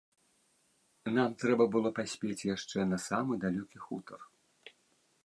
Нам трэба было паспець яшчэ на самы далёкі хутар.